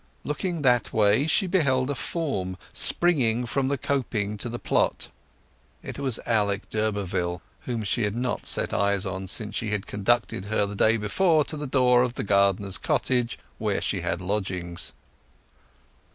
Looking that way she beheld a form springing from the coping to the plot. It was Alec d'Urberville, whom she had not set eyes on since he had conducted her the day before to the door of the gardener's cottage where she had lodgings.